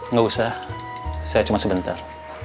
nggak usah saya cuma sebentar